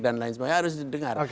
dan lain sebagainya harus didengar